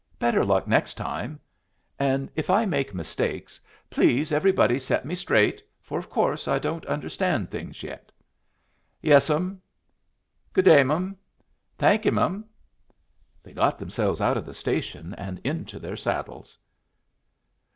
Better luck next time! And if I make mistakes, please everybody set me straight, for of course I don't understand things yet." "Yes, m'm." "Good day, m'm." "Thank yu', m'm." They got themselves out of the station and into their saddles.